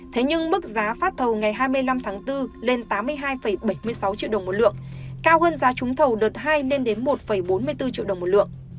thế nhưng mức giá phát thầu ngày hai mươi năm tháng bốn lên tám mươi hai bảy mươi sáu triệu đồng một lượng cao hơn giá trúng thầu đợt hai lên đến một bốn mươi bốn triệu đồng một lượng